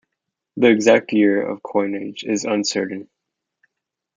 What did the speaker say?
The exact year of coinage is uncertain.